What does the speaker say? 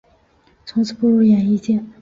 从此步入演艺界。